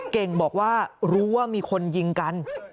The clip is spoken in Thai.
เก่งบอกว่ารู้ว่ามีคนยิงกัน